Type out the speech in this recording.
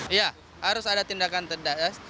iya harus ada tindakan tegas